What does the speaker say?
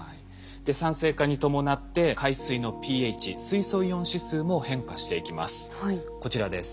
酸性化に伴って海水のｐＨ水素イオン指数も変化していきます。